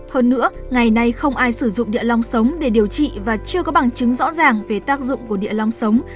hơn nữa ngày nay không ai sử dụng địa long sống để điều trị và chưa có bằng chứng rõ ràng về tác dụng của địa long sống